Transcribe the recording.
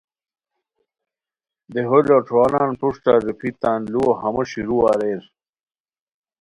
دیہو لوٹھوروانان پروشٹہ روپھی تان لوؤ ہموݰ شروع اریر